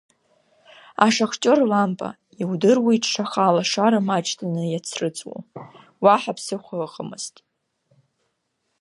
Ашахтиор лампа, иудыруеит шаҟа алашара маҷӡаны иацрыҵуа, уаҳа ԥсыхәа ыҟамызт.